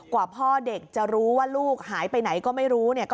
กว่าพ่อเด็กจะรู้ว่าลูกหายไปไหนก็ไม่รู้